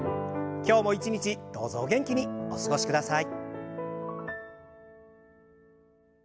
今日も一日どうぞお元気にお過ごしください。